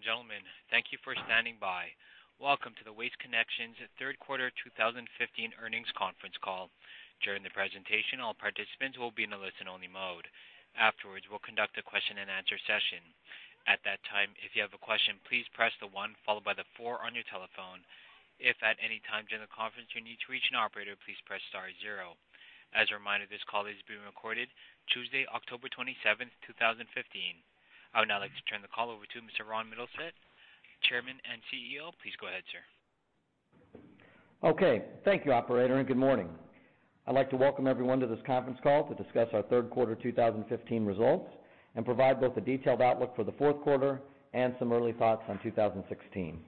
Ladies and gentlemen, thank you for standing by. Welcome to the Waste Connections third quarter 2015 earnings conference call. During the presentation, all participants will be in a listen-only mode. Afterwards, we'll conduct a question-and-answer session. At that time, if you have a question, please press the one followed by the four on your telephone. If at any time during the conference you need to reach an operator, please press star zero. As a reminder, this call is being recorded Tuesday, October 27, 2015. I would now like to turn the call over to Mr. Ronald Mittelstaedt, Chairman and CEO. Please go ahead, sir. Okay. Thank you, operator, and good morning. I'd like to welcome everyone to this conference call to discuss our third quarter 2015 results and provide both a detailed outlook for the fourth quarter and some early thoughts on 2016.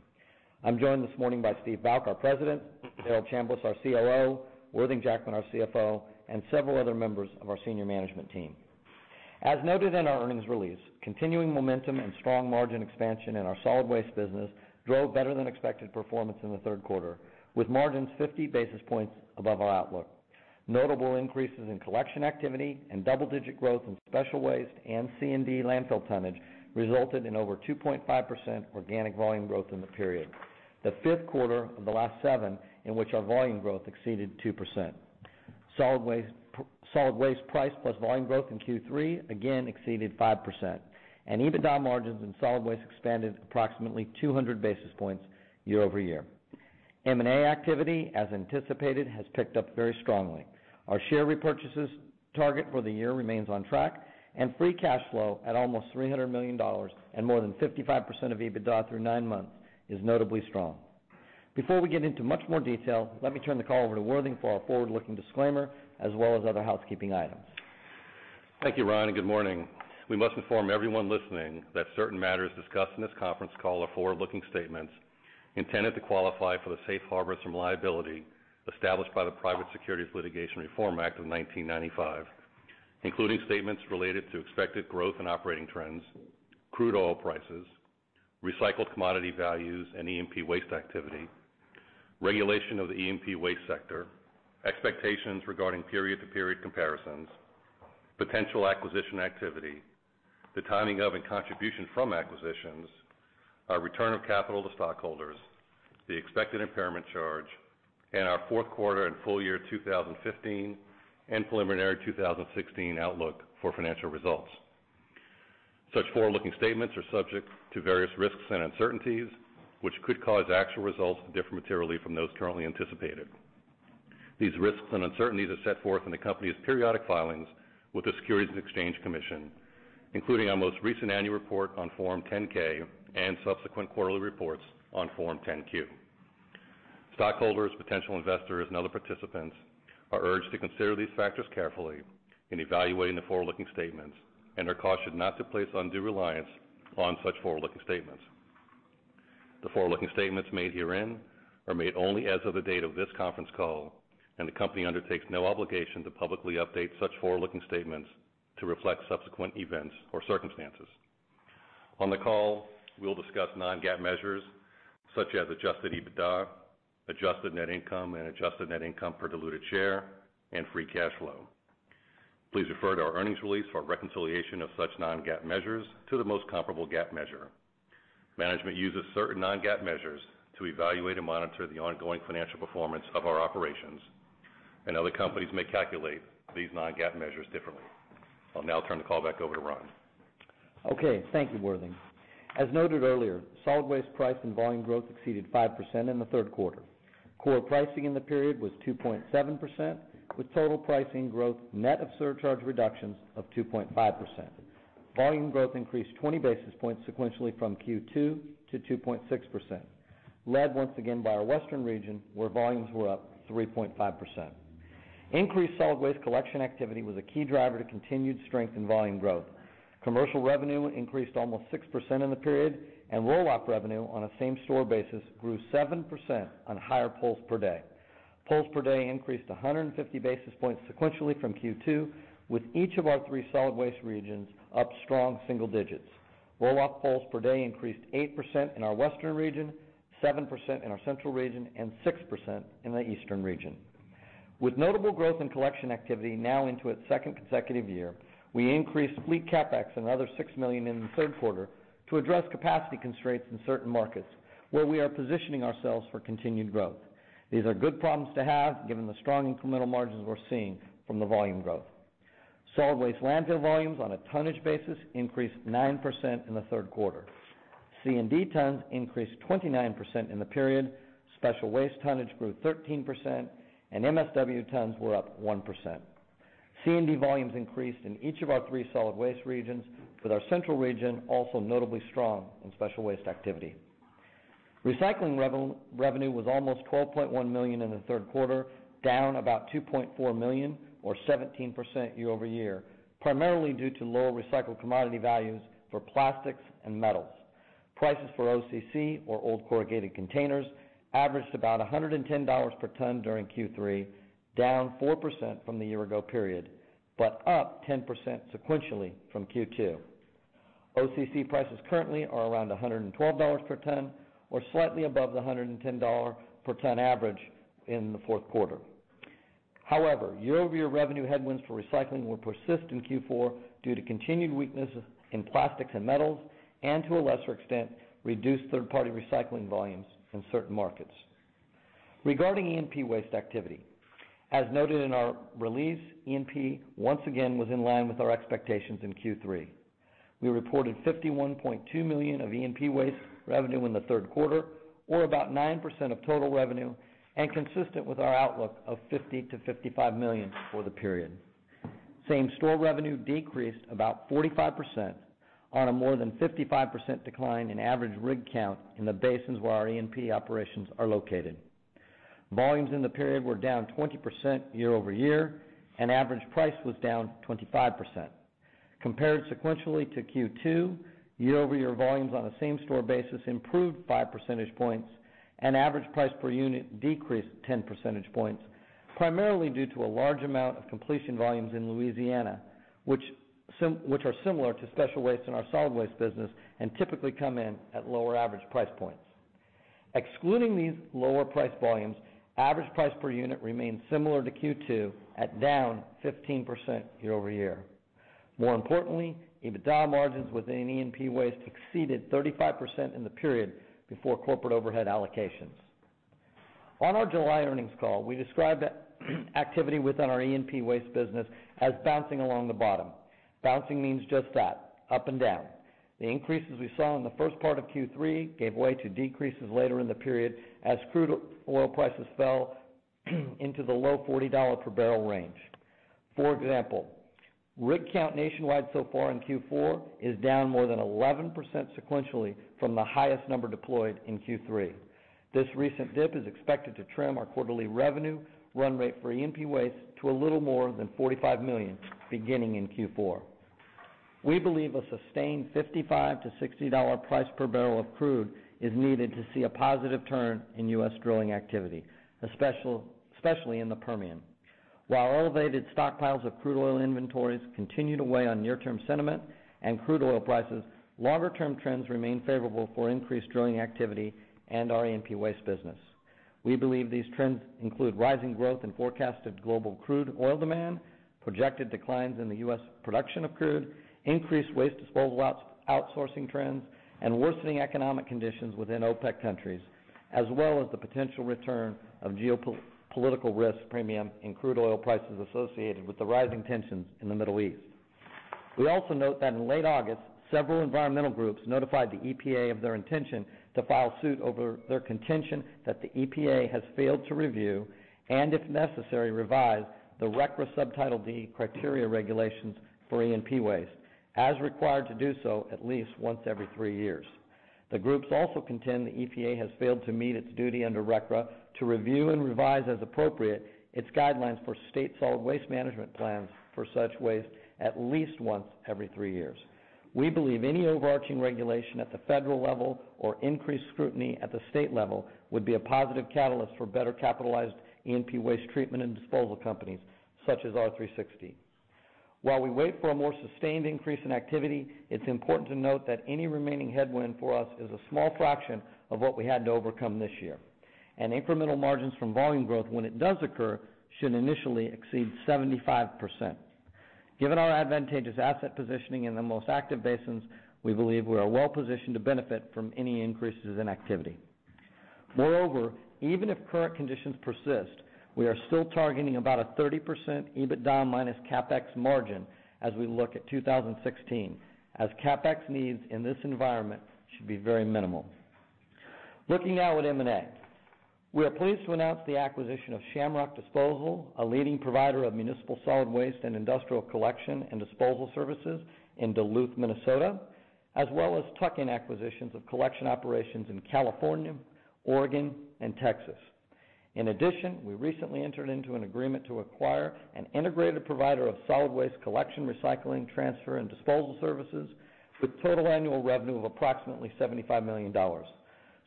I'm joined this morning by Steven Bouck, our President, Darrell Chambliss, our COO, Worthing Jackman, our CFO, and several other members of our senior management team. As noted in our earnings release, continuing momentum and strong margin expansion in our solid waste business drove better-than-expected performance in the third quarter, with margins 50 basis points above our outlook. Notable increases in collection activity and double-digit growth in special waste and C&D landfill tonnage resulted in over 2.5% organic volume growth in the period. The fifth quarter of the last seven in which our volume growth exceeded 2%. Solid waste price plus volume growth in Q3 again exceeded 5%, and EBITDA margins in solid waste expanded approximately 200 basis points year-over-year. M&A activity, as anticipated, has picked up very strongly. Our share repurchases target for the year remains on track, and free cash flow at almost $300 million and more than 55% of EBITDA through nine months is notably strong. Before we get into much more detail, let me turn the call over to Worthing for our forward-looking disclaimer, as well as other housekeeping items. Thank you, Ron, and good morning. We must inform everyone listening that certain matters discussed in this conference call are forward-looking statements intended to qualify for the safe harbors from liability established by the Private Securities Litigation Reform Act of 1995, including statements related to expected growth and operating trends, crude oil prices, recycled commodity values and E&P waste activity, regulation of the E&P waste sector, expectations regarding period-to-period comparisons, potential acquisition activity, the timing of and contribution from acquisitions, our return of capital to stockholders, the expected impairment charge, and our fourth quarter and full year 2015 and preliminary 2016 outlook for financial results. Such forward-looking statements are subject to various risks and uncertainties, which could cause actual results to differ materially from those currently anticipated. These risks and uncertainties are set forth in the company's periodic filings with the Securities and Exchange Commission, including our most recent annual report on Form 10-K and subsequent quarterly reports on Form 10-Q. Stockholders, potential investors, and other participants are urged to consider these factors carefully in evaluating the forward-looking statements, and are cautioned not to place undue reliance on such forward-looking statements. The forward-looking statements made herein are made only as of the date of this conference call, and the company undertakes no obligation to publicly update such forward-looking statements to reflect subsequent events or circumstances. On the call, we will discuss non-GAAP measures such as adjusted EBITDA, adjusted net income, and adjusted net income per diluted share, and free cash flow. Please refer to our earnings release for a reconciliation of such non-GAAP measures to the most comparable GAAP measure. Management uses certain non-GAAP measures to evaluate and monitor the ongoing financial performance of our operations. Other companies may calculate these non-GAAP measures differently. I'll now turn the call back over to Ron. Okay. Thank you, Worthing. As noted earlier, solid waste price and volume growth exceeded 5% in the third quarter. Core pricing in the period was 2.7%, with total pricing growth net of surcharge reductions of 2.5%. Volume growth increased 20 basis points sequentially from Q2 to 2.6%, led once again by our Western region, where volumes were up 3.5%. Increased solid waste collection activity was a key driver to continued strength in volume growth. Commercial revenue increased almost 6% in the period, and roll-off revenue on a same store basis grew 7% on higher pulls per day. Pulls per day increased 150 basis points sequentially from Q2, with each of our three solid waste regions up strong single digits. Roll-off pulls per day increased 8% in our Western region, 7% in our Central region, and 6% in the Eastern region. With notable growth in collection activity now into its second consecutive year, we increased fleet CapEx another $6 million in the third quarter to address capacity constraints in certain markets where we are positioning ourselves for continued growth. These are good problems to have, given the strong incremental margins we're seeing from the volume growth. Solid waste landfill volumes on a tonnage basis increased 9% in the third quarter. C&D tons increased 29% in the period, special waste tonnage grew 13%, and MSW tons were up 1%. C&D volumes increased in each of our three solid waste regions, with our Central region also notably strong in special waste activity. Recycling revenue was almost $12.1 million in the third quarter, down about $2.4 million or 17% year-over-year, primarily due to lower recycled commodity values for plastics and metals. Prices for OCC, or old corrugated containers, averaged about $110 per ton during Q3, down 4% from the year-ago period, up 10% sequentially from Q2. OCC prices currently are around $112 per ton or slightly above the $110 per ton average in the fourth quarter. Year-over-year revenue headwinds for recycling will persist in Q4 due to continued weakness in plastics and metals, and to a lesser extent, reduced third-party recycling volumes in certain markets. Regarding E&P waste activity. As noted in our release, E&P once again was in line with our expectations in Q3. We reported $51.2 million of E&P waste revenue in the third quarter, or about 9% of total revenue, and consistent with our outlook of $50 million to $55 million for the period. Same-store revenue decreased about 45% on a more than 55% decline in average rig count in the basins where our E&P operations are located. Volumes in the period were down 20% year-over-year, average price was down 25%. Compared sequentially to Q2, year-over-year volumes on a same-store basis improved five percentage points, average price per unit decreased 10 percentage points, primarily due to a large amount of completion volumes in Louisiana, which are similar to special waste in our solid waste business and typically come in at lower average price points. Excluding these lower price volumes, average price per unit remained similar to Q2, at down 15% year-over-year. More importantly, EBITDA margins within E&P waste exceeded 35% in the period before corporate overhead allocations. On our July earnings call, we described activity within our E&P waste business as bouncing along the bottom. Bouncing means just that, up and down. The increases we saw in the first part of Q3 gave way to decreases later in the period as crude oil prices fell into the low $40 per barrel range. Rig count nationwide so far in Q4 is down more than 11% sequentially from the highest number deployed in Q3. This recent dip is expected to trim our quarterly revenue run rate for E&P waste to a little more than $45 million, beginning in Q4. We believe a sustained $55 to $60 price per barrel of crude is needed to see a positive turn in U.S. drilling activity, especially in the Permian. While elevated stockpiles of crude oil inventories continue to weigh on near-term sentiment and crude oil prices, longer-term trends remain favorable for increased drilling activity and our E&P waste business. We believe these trends include rising growth and forecast of global crude oil demand, projected declines in the U.S. production of crude, increased waste disposal outsourcing trends, and worsening economic conditions within OPEC countries, as well as the potential return of geopolitical risk premium in crude oil prices associated with the rising tensions in the Middle East. We also note that in late August, several environmental groups notified the EPA of their intention to file suit over their contention that the EPA has failed to review, and if necessary, revise the RCRA Subtitle D criteria regulations for E&P waste, as required to do so at least once every three years. The groups also contend the EPA has failed to meet its duty under RCRA to review and revise, as appropriate, its guidelines for state solid waste management plans for such waste at least once every three years. We believe any overarching regulation at the federal level or increased scrutiny at the state level would be a positive catalyst for better capitalized E&P waste treatment and disposal companies such as R360. While we wait for a more sustained increase in activity, it's important to note that any remaining headwind for us is a small fraction of what we had to overcome this year. Incremental margins from volume growth, when it does occur, should initially exceed 75%. Given our advantageous asset positioning in the most active basins, we believe we are well positioned to benefit from any increases in activity. Moreover, even if current conditions persist, we are still targeting about a 30% EBITDA minus CapEx margin as we look at 2016, as CapEx needs in this environment should be very minimal. Looking now at M&A. We are pleased to announce the acquisition of Shamrock Disposal, a leading provider of municipal solid waste and industrial collection and disposal services in Duluth, Minnesota, as well as tuck-in acquisitions of collection operations in California, Oregon, and Texas. In addition, we recently entered into an agreement to acquire an integrated provider of solid waste collection, recycling, transfer, and disposal services with total annual revenue of approximately $75 million.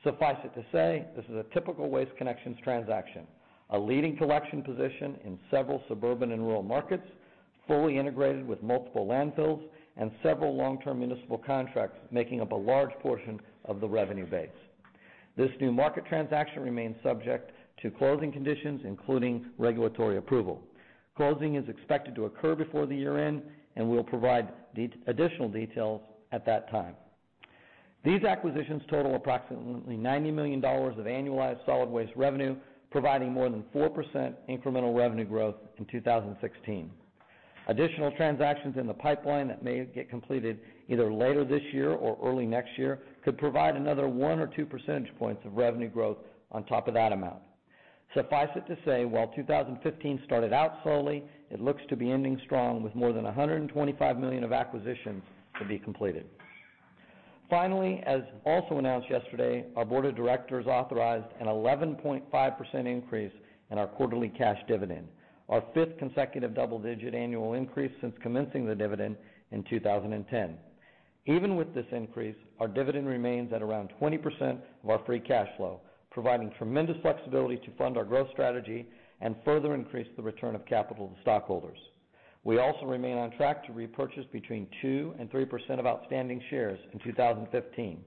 Suffice it to say, this is a typical Waste Connections transaction. A leading collection position in several suburban and rural markets, fully integrated with multiple landfills, and several long-term municipal contracts making up a large portion of the revenue base. This new market transaction remains subject to closing conditions, including regulatory approval. Closing is expected to occur before the year-end, and we'll provide additional details at that time. These acquisitions total approximately $90 million of annualized solid waste revenue, providing more than 4% incremental revenue growth in 2016. Additional transactions in the pipeline that may get completed either later this year or early next year could provide another one or two percentage points of revenue growth on top of that amount. Suffice it to say, while 2015 started out slowly, it looks to be ending strong with more than $125 million of acquisitions to be completed. Finally, as also announced yesterday, our board of directors authorized an 11.5% increase in our quarterly cash dividend, our fifth consecutive double-digit annual increase since commencing the dividend in 2010. Even with this increase, our dividend remains at around 20% of our free cash flow, providing tremendous flexibility to fund our growth strategy and further increase the return of capital to stockholders. We also remain on track to repurchase between 2% and 3% of outstanding shares in 2015.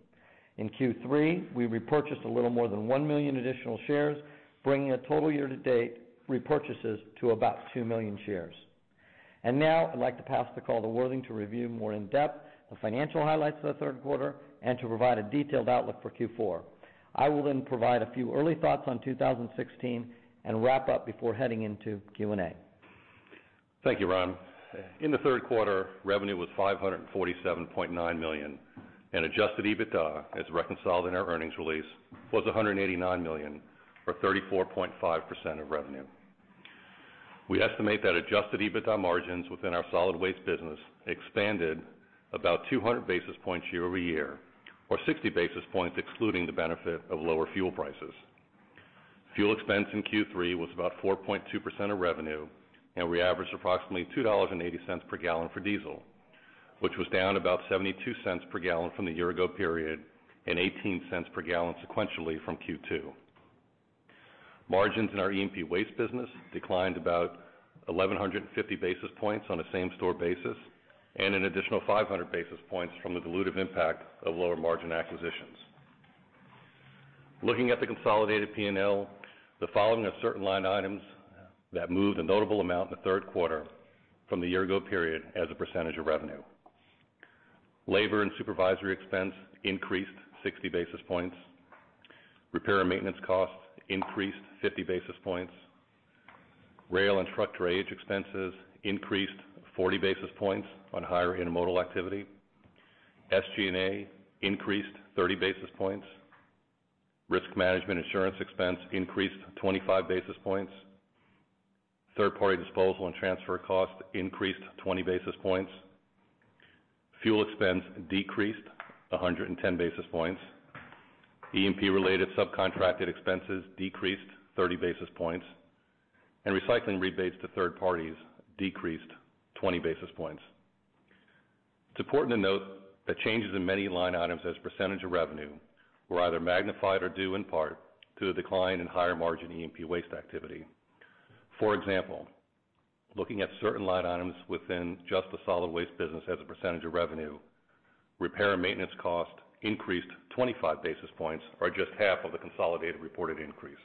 In Q3, we repurchased a little more than one million additional shares, bringing the total year-to-date repurchases to about two million shares. Now I'd like to pass the call to Worthing to review more in depth the financial highlights of the third quarter and to provide a detailed outlook for Q4. I will then provide a few early thoughts on 2016 and wrap up before heading into Q&A. Thank you, Ron. In the third quarter, revenue was $547.9 million and adjusted EBITDA, as reconciled in our earnings release, was $189 million or 34.5% of revenue. We estimate that adjusted EBITDA margins within our solid waste business expanded about 200 basis points year-over-year, or 60 basis points excluding the benefit of lower fuel prices. Fuel expense in Q3 was about 4.2% of revenue, and we averaged approximately $2.80 per gallon for diesel, which was down about $0.72 per gallon from the year-ago period and $0.18 per gallon sequentially from Q2. Margins in our E&P waste business declined about 1,150 basis points on a same-store basis and an additional 500 basis points from the dilutive impact of lower margin acquisitions. Looking at the consolidated P&L, the following are certain line items that moved a notable amount in the third quarter from the year-ago period as a percentage of revenue. Labor and supervisory expense increased 60 basis points. Repair and maintenance costs increased 50 basis points. Rail and truck drayage expenses increased 40 basis points on higher intermodal activity. SG&A increased 30 basis points. Risk management insurance expense increased 25 basis points. Third-party disposal and transfer cost increased 20 basis points. Fuel expense decreased 110 basis points. E&P-related subcontracted expenses decreased 30 basis points, and recycling rebates to third parties decreased 20 basis points. It's important to note that changes in many line items as a percentage of revenue were either magnified or due in part to the decline in higher margin E&P waste activity. For example, looking at certain line items within just the solid waste business as a percentage of revenue, repair and maintenance cost increased 25 basis points or just half of the consolidated reported increase.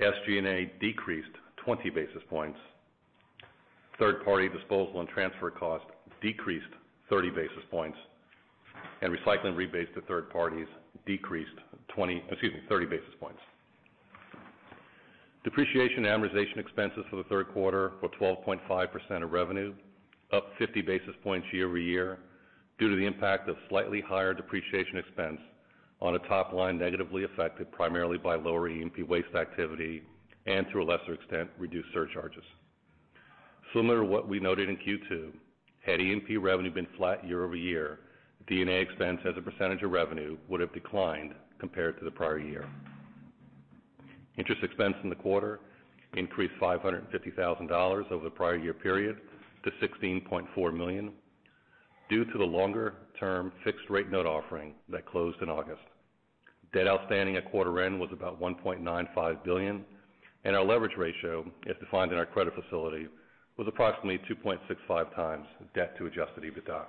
SG&A decreased 20 basis points. Third-party disposal and transfer cost decreased 30 basis points, and recycling rebates to third parties decreased 30 basis points. Depreciation and amortization expenses for the third quarter were 12.5% of revenue, up 50 basis points year-over-year due to the impact of slightly higher depreciation expense on a top line negatively affected primarily by lower E&P waste activity and to a lesser extent, reduced surcharges. Similar to what we noted in Q2, had E&P revenue been flat year-over-year, D&A expense as a percentage of revenue would have declined compared to the prior year. Interest expense in the quarter increased $550,000 over the prior year period to $16.4 million due to the longer-term fixed rate note offering that closed in August. Debt outstanding at quarter end was about $1.95 billion, and our leverage ratio, as defined in our credit facility, was approximately 2.65 times debt to adjusted EBITDA.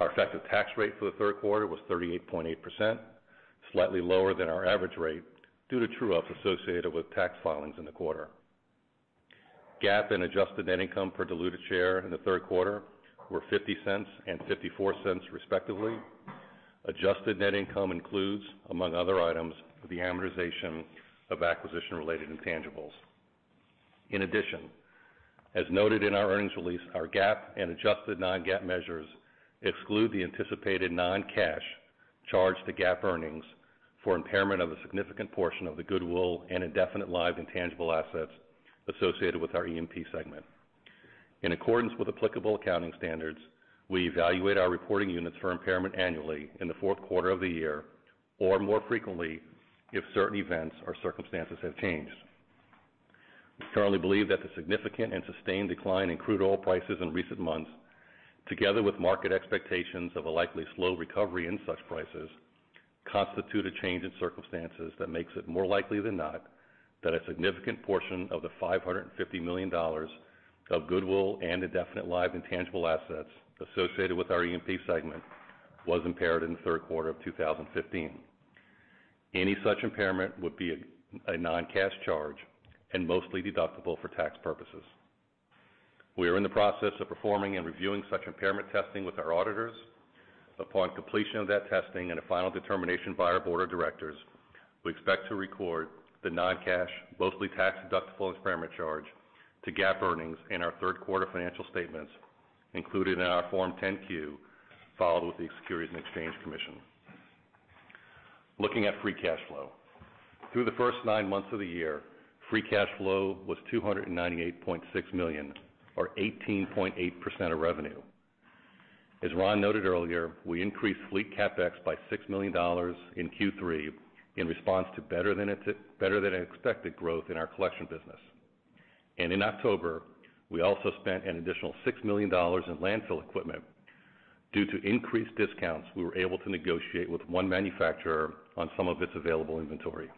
Our effective tax rate for the third quarter was 38.8%, slightly lower than our average rate due to true-ups associated with tax filings in the quarter. GAAP and adjusted net income per diluted share in the third quarter were $0.50 and $0.54 respectively. Adjusted net income includes, among other items, the amortization of acquisition-related intangibles. In addition, as noted in our earnings release, our GAAP and adjusted non-GAAP measures exclude the anticipated non-cash charge to GAAP earnings for impairment of a significant portion of the goodwill and indefinite-lived intangible assets associated with our E&P segment. In accordance with applicable accounting standards, we evaluate our reporting units for impairment annually in the fourth quarter of the year or more frequently if certain events or circumstances have changed. We currently believe that the significant and sustained decline in crude oil prices in recent months, together with market expectations of a likely slow recovery in such prices, constitute a change in circumstances that makes it more likely than not that a significant portion of the $550 million of goodwill and indefinite-lived intangible assets associated with our E&P segment was impaired in the third quarter of 2015. Any such impairment would be a non-cash charge and mostly deductible for tax purposes. We are in the process of performing and reviewing such impairment testing with our auditors. Upon completion of that testing and a final determination by our board of directors, we expect to record the non-cash, mostly tax-deductible impairment charge to GAAP earnings in our third quarter financial statements included in our Form 10-Q filed with the Securities and Exchange Commission. Looking at free cash flow. Through the first nine months of the year, free cash flow was $298.6 million or 18.8% of revenue. As Ron noted earlier, we increased fleet CapEx by $6 million in Q3 in response to better than expected growth in our collection business. In October, we also spent an additional $6 million in landfill equipment. Due to increased discounts, we were able to negotiate with one manufacturer on some of its available inventory.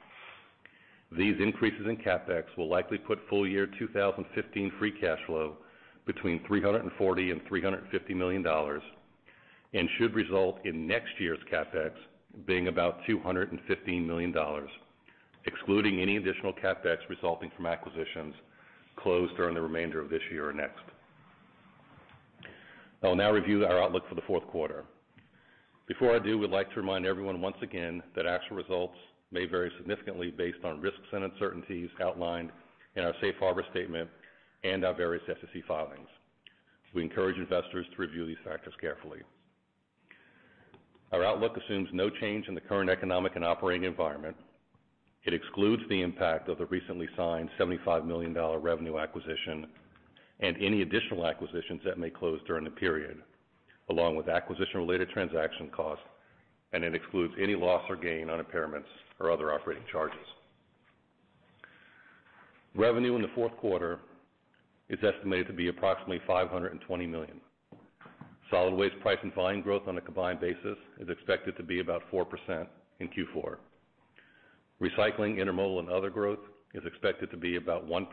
These increases in CapEx will likely put full year 2015 free cash flow between $340 million and $350 million and should result in next year's CapEx being about $215 million, excluding any additional CapEx resulting from acquisitions closed during the remainder of this year or next. I will now review our outlook for the fourth quarter. Before I do, we'd like to remind everyone once again that actual results may vary significantly based on risks and uncertainties outlined in our safe harbor statement and our various SEC filings. We encourage investors to review these factors carefully. Our outlook assumes no change in the current economic and operating environment. It excludes the impact of the recently signed $75 million revenue acquisition and any additional acquisitions that may close during the period, along with acquisition-related transaction costs, and it excludes any loss or gain on impairments or other operating charges. Revenue in the fourth quarter is estimated to be approximately $520 million. Solid waste price and volume growth on a combined basis is expected to be about 4% in Q4. Recycling, intermodal, and other growth is expected to be about 1%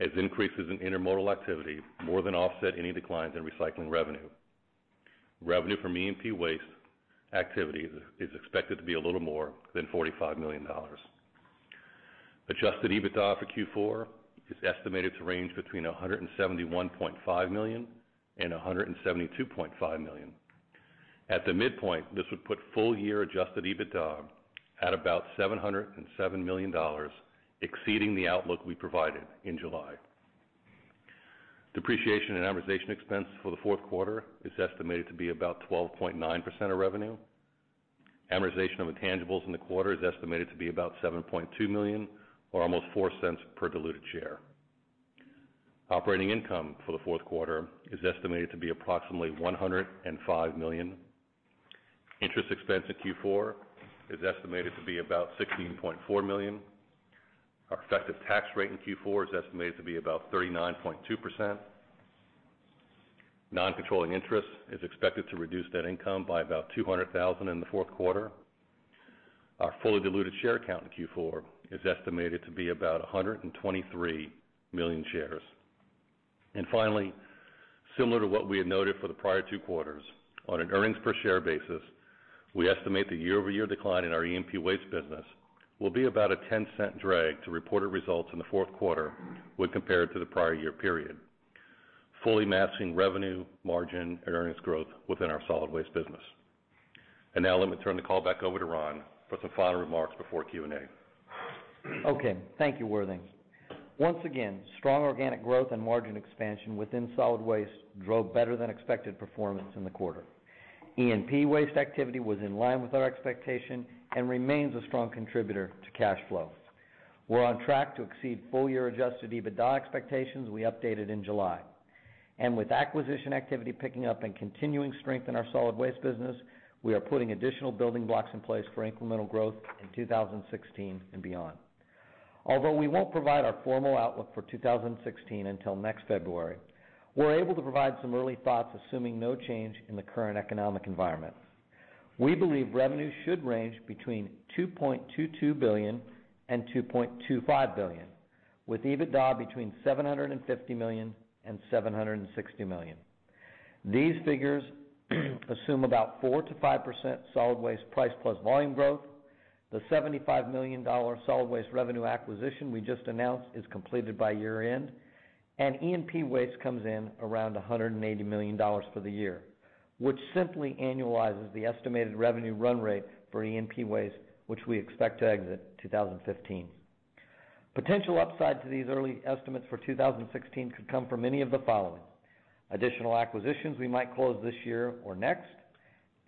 as increases in intermodal activity more than offset any declines in recycling revenue. Revenue from E&P waste activities is expected to be a little more than $45 million. Adjusted EBITDA for Q4 is estimated to range between $171.5 million and $172.5 million. At the midpoint, this would put full year adjusted EBITDA at about $707 million, exceeding the outlook we provided in July. Depreciation and amortization expense for the fourth quarter is estimated to be about 12.9% of revenue. Amortization of intangibles in the quarter is estimated to be about $7.2 million or almost $0.04 per diluted share. Operating income for the fourth quarter is estimated to be approximately $105 million. Interest expense in Q4 is estimated to be about $16.4 million. Our effective tax rate in Q4 is estimated to be about 39.2%. Non-controlling interest is expected to reduce net income by about $200,000 in the fourth quarter. Our fully diluted share count in Q4 is estimated to be about 123 million shares. Finally, similar to what we had noted for the prior two quarters, on an earnings per share basis, we estimate the year-over-year decline in our E&P waste business will be about a $0.10 drag to reported results in the fourth quarter when compared to the prior year period, fully matching revenue, margin, and earnings growth within our solid waste business. Now let me turn the call back over to Ron for some final remarks before Q&A. Okay, thank you, Worthing. Once again, strong organic growth and margin expansion within solid waste drove better than expected performance in the quarter. E&P waste activity was in line with our expectation and remains a strong contributor to cash flow. We're on track to exceed full year adjusted EBITDA expectations we updated in July. With acquisition activity picking up and continuing strength in our solid waste business, we are putting additional building blocks in place for incremental growth in 2016 and beyond. Although we won't provide our formal outlook for 2016 until next February, we're able to provide some early thoughts, assuming no change in the current economic environment. We believe revenue should range between $2.22 billion-$2.25 billion, with EBITDA between $750 million-$760 million. These figures assume about 4%-5% solid waste price plus volume growth. The $75 million solid waste revenue acquisition we just announced is completed by year-end, E&P waste comes in around $180 million for the year, which simply annualizes the estimated revenue run rate for E&P waste, which we expect to exit 2015. Potential upside to these early estimates for 2016 could come from any of the following. Additional acquisitions we might close this year or next,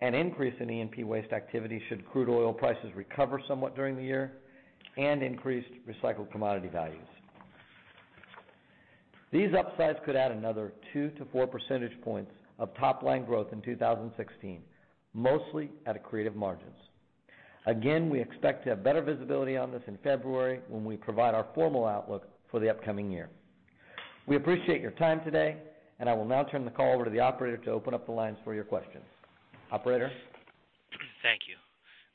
an increase in E&P waste activity should crude oil prices recover somewhat during the year, increased recycled commodity values. These upsides could add another 2-4 percentage points of top-line growth in 2016, mostly at accretive margins. Again, we expect to have better visibility on this in February when we provide our formal outlook for the upcoming year. We appreciate your time today, I will now turn the call over to the operator to open up the lines for your questions. Operator? Thank you.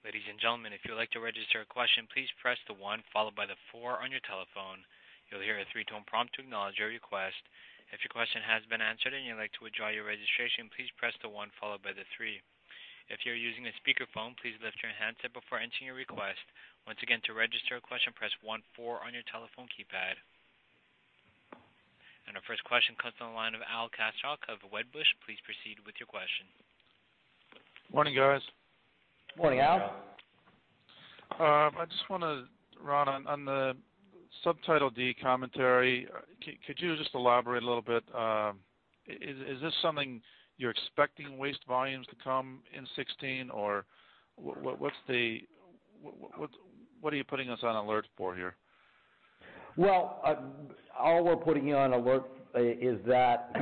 Ladies and gentlemen, if you would like to register a question, please press the one followed by the four on your telephone. You'll hear a three-tone prompt to acknowledge your request. If your question has been answered and you'd like to withdraw your registration, please press the one followed by the three. If you're using a speakerphone, please lift your handset before entering your request. Once again, to register a question, press one, four on your telephone keypad. Our first question comes on the line of Al Kaschalk of Wedbush. Please proceed with your question. Morning, guys. Morning, Al. Ron, on the Subtitle D commentary, could you just elaborate a little bit? Is this something you're expecting waste volumes to come in 2016? What are you putting us on alert for here? All we're putting you on alert is that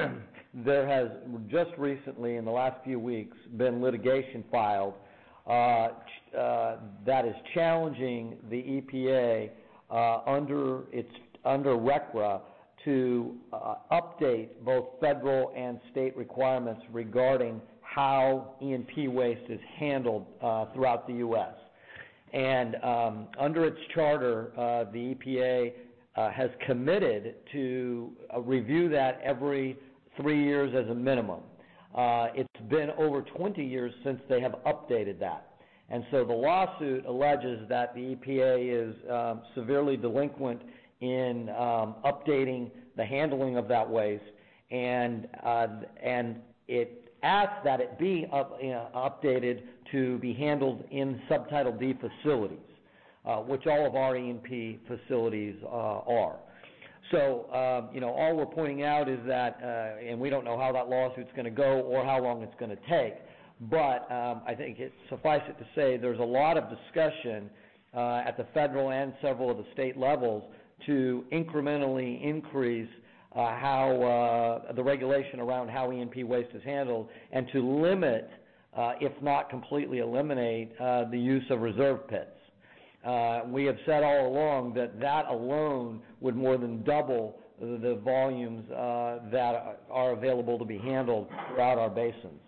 there has just recently, in the last few weeks, been litigation filed that is challenging the EPA under RCRA to update both federal and state requirements regarding how E&P waste is handled throughout the U.S. Under its charter, the EPA has committed to review that every three years as a minimum. It's been over 20 years since they have updated that. The lawsuit alleges that the EPA is severely delinquent in updating the handling of that waste, and it asks that it be updated to be handled in Subtitle D facilities, which all of our E&P facilities are. We don't know how that lawsuit's going to go or how long it's going to take, I think suffice it to say, there's a lot of discussion at the federal and several of the state levels to incrementally increase the regulation around how E&P waste is handled, and to limit, if not completely eliminate, the use of reserve pits. We have said all along that that alone would more than double the volumes that are available to be handled throughout our basins.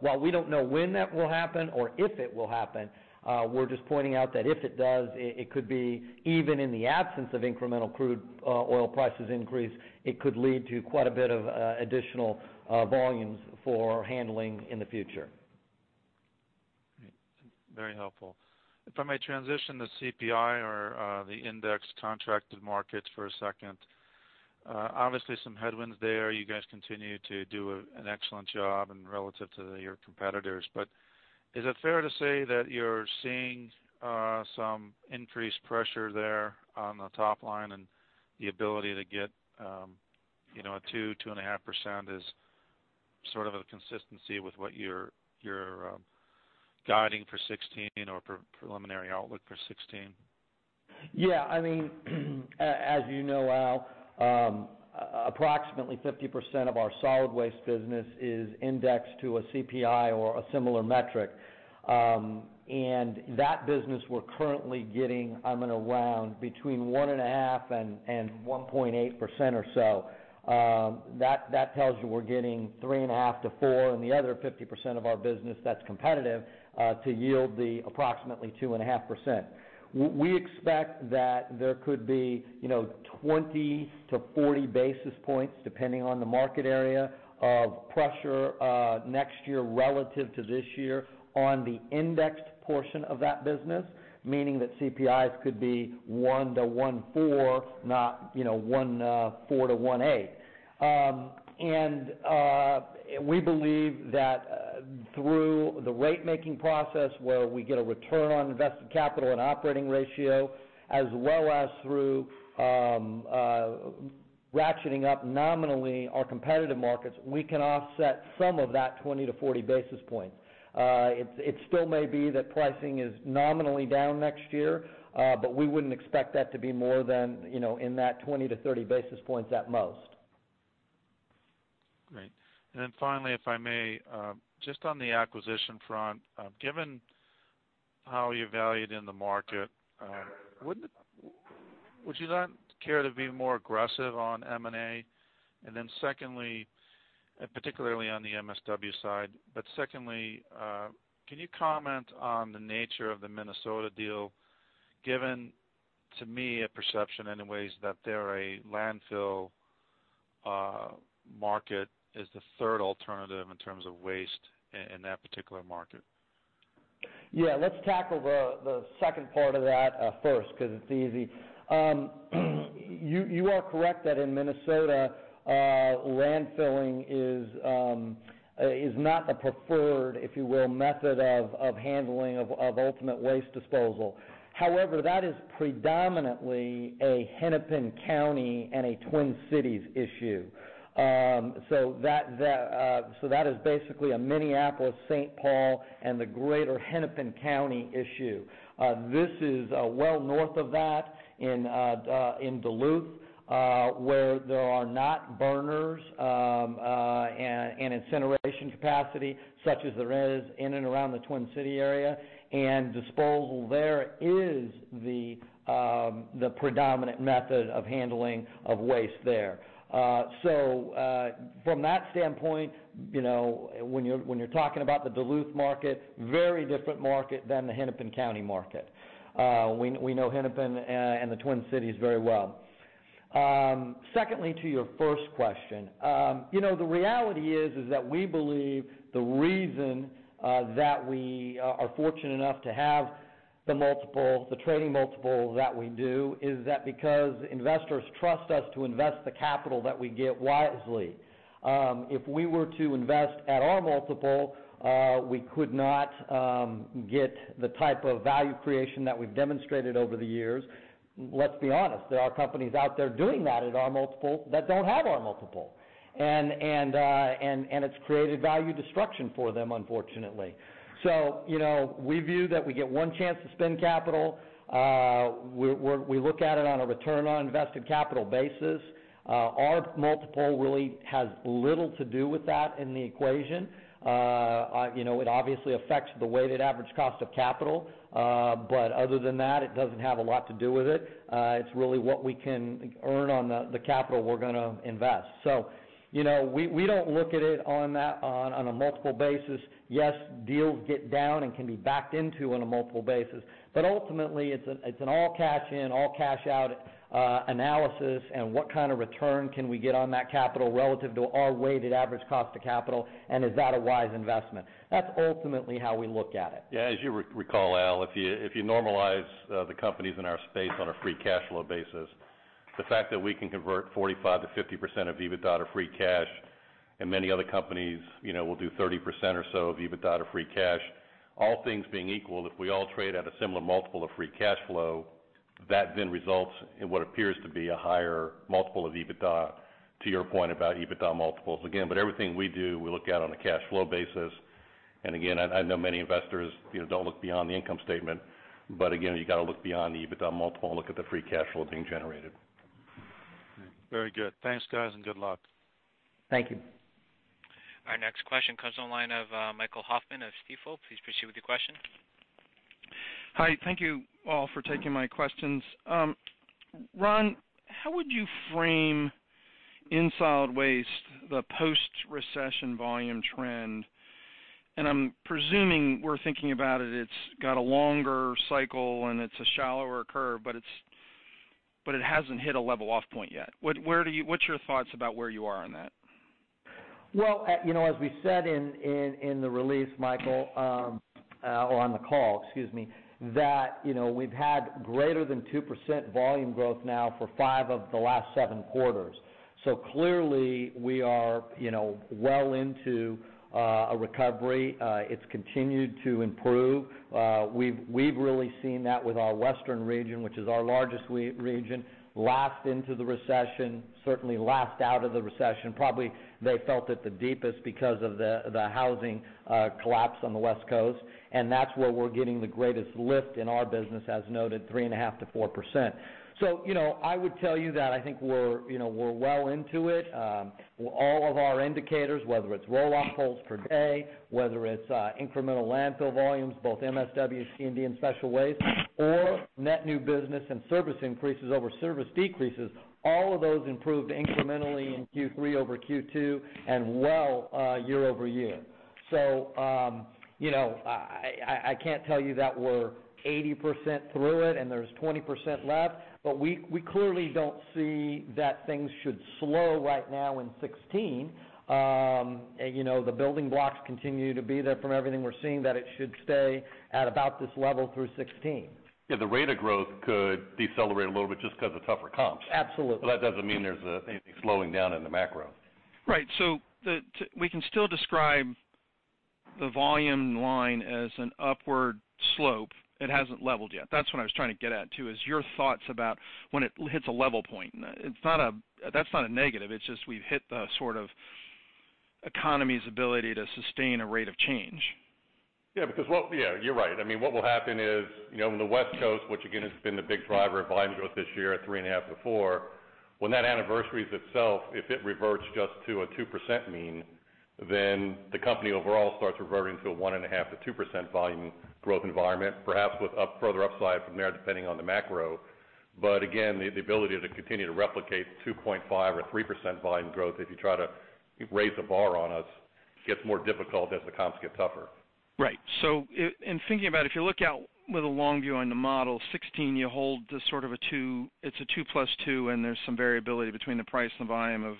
While we don't know when that will happen or if it will happen, we're just pointing out that if it does, it could be even in the absence of incremental crude oil prices increase, it could lead to quite a bit of additional volumes for handling in the future. Great. Very helpful. If I may transition to CPI or the index contracted markets for a second. Obviously, some headwinds there. You guys continue to do an excellent job and relative to your competitors, but is it fair to say that you're seeing some increased pressure there on the top line and the ability to get 2%, 2.5% is sort of a consistency with what you're guiding for 2016 or preliminary outlook for 2016? As you know, Al, approximately 50% of our solid waste business is indexed to a CPI or a similar metric. That business we're currently getting, I'm going to round between 1.5% and 1.8% or so. That tells you we're getting 3.5% to 4% on the other 50% of our business that's competitive, to yield the approximately 2.5%. We expect that there could be 20 to 40 basis points, depending on the market area, of pressure next year relative to this year on the indexed portion of that business, meaning that CPIs could be 1% to 1.4% not 1.4% to 1.8%. We believe that through the rate-making process, where we get a return on invested capital and operating ratio, as well as through ratcheting up nominally our competitive markets, we can offset some of that 20 to 40 basis points. It still may be that pricing is nominally down next year, we wouldn't expect that to be more than in that 20 to 30 basis points at most. Finally, if I may, just on the acquisition front, given how you're valued in the market, would you not care to be more aggressive on M&A? Secondly, particularly on the MSW side, but secondly, can you comment on the nature of the Minnesota deal, given to me a perception anyways, that they're a landfill market is the third alternative in terms of waste in that particular market? Yeah, let's tackle the second part of that first because it's easy. You are correct that in Minnesota, landfilling is not a preferred, if you will, method of handling of ultimate waste disposal. However, that is predominantly a Hennepin County and a Twin Cities issue. That is basically a Minneapolis-St. Paul and the greater Hennepin County issue. This is well north of that in Duluth, where there are not burners and incineration capacity such as there is in and around the Twin City area, and disposal there is the predominant method of handling of waste there. From that standpoint, when you're talking about the Duluth market, very different market than the Hennepin County market. We know Hennepin and the Twin Cities very well. Secondly, to your first question, the reality is that we believe the reason that we are fortunate enough to have the trading multiple that we do is that because investors trust us to invest the capital that we get wisely. If we were to invest at our multiple, we could not get the type of value creation that we've demonstrated over the years. Let's be honest, there are companies out there doing that at our multiple that don't have our multiple. It's created value destruction for them, unfortunately. We view that we get one chance to spend capital. We look at it on a return on invested capital basis. Our multiple really has little to do with that in the equation. It obviously affects the weighted average cost of capital. Other than that, it doesn't have a lot to do with it. It's really what we can earn on the capital we're going to invest. We don't look at it on a multiple basis. Yes, deals get down and can be backed into on a multiple basis. Ultimately, it's an all-cash in, all-cash out analysis, and what kind of return can we get on that capital relative to our weighted average cost of capital, and is that a wise investment? That's ultimately how we look at it. As you recall, Al. If you normalize the companies in our space on a free cash flow basis, the fact that we can convert 45%-50% of EBITDA to free cash, and many other companies will do 30% or so of EBITDA to free cash. All things being equal, if we all trade at a similar multiple of free cash flow, that then results in what appears to be a higher multiple of EBITDA, to your point about EBITDA multiples. Again, everything we do, we look at on a cash flow basis. Again, I know many investors don't look beyond the income statement, but again, you got to look beyond the EBITDA multiple and look at the free cash flow being generated. Very good. Thanks, guys, and good luck. Thank you. Our next question comes on the line of Michael Hoffman of Stifel. Please proceed with your question. Hi. Thank you all for taking my questions. Ron, how would you frame, in solid waste, the post-recession volume trend? I'm presuming we're thinking about it's got a longer cycle and it's a shallower curve, but it hasn't hit a level off point yet. What's your thoughts about where you are on that? Well, as we said in the release, Michael, or on the call, excuse me, that we've had greater than 2% volume growth now for five of the last seven quarters. Clearly, we are well into a recovery. It's continued to improve. We've really seen that with our western region, which is our largest region, last into the recession, certainly last out of the recession. Probably they felt it the deepest because of the housing collapse on the West Coast, and that's where we're getting the greatest lift in our business, as noted, 3.5%-4%. I would tell you that I think we're well into it. All of our indicators, whether it's roll-off pulls per day, whether it's incremental landfill volumes, both MSW, C&D, and special waste, or net new business and service increases over service decreases, all of those improved incrementally in Q3 over Q2 and well year-over-year. I can't tell you that we're 80% through it and there's 20% left, but we clearly don't see that things should slow right now in 2016. The building blocks continue to be there from everything we're seeing, that it should stay at about this level through 2016. Yeah, the rate of growth could decelerate a little bit just because of tougher comps. Absolutely. That doesn't mean there's anything slowing down in the macro. Right. We can still describe the volume line as an upward slope. It hasn't leveled yet. That's what I was trying to get at, too, is your thoughts about when it hits a level point. That's not a negative, it's just we've hit the sort of economy's ability to sustain a rate of change. Yeah, you're right. What will happen is, on the West Coast, which again, has been the big driver of volume growth this year at 3.5%-4%, when that anniversaries itself, if it reverts just to a 2% mean, the company overall starts reverting to a 1.5%-2% volume growth environment, perhaps with further upside from there, depending on the macro. Again, the ability to continue to replicate 2.5% or 3% volume growth, if you try to raise the bar on us, gets more difficult as the comps get tougher. Right. In thinking about it, if you look out with a long view on the model, 2016, you hold the sort of a 2, it's a 2 plus 2, and there's some variability between the price and volume of